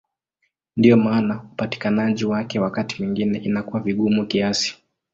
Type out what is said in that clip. Ndiyo maana upatikanaji wake wakati mwingine inakuwa vigumu kiasi.